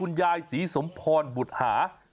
คุณยายศีสมพรหมุดหา